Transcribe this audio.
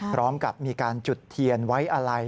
พร้อมกับมีการจุดเทียนไว้อะไร